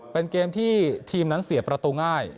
เป็นเกมที่ทีมนั้นเสียประตูง่าย